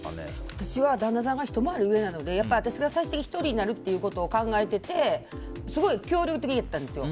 私は、旦那さんがひと回り上なので私が１人になるってことを考えててすごい協力的だったんですよ。